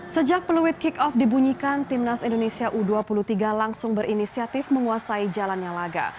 sejak peluit kick off dibunyikan timnas indonesia u dua puluh tiga langsung berinisiatif menguasai jalannya laga